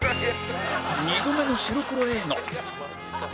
２度目の白黒映画